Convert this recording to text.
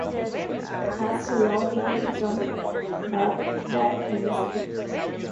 Has a law degree from Baghdad University.